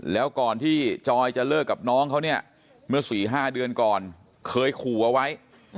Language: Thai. แล้วก่อนที่จอยจะเลิกกับน้องเขาเนี่ยเมื่อ๔๕เดือนก่อนเคยขู่เอาไว้